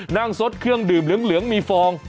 ซดเครื่องดื่มเหลืองมีฟอง